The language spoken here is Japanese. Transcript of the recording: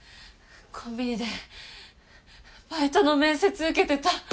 コンビニでバイトの面接受けてた。